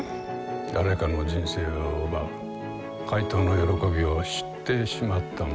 誰かの人生を奪う怪盗の喜びを知ってしまった者。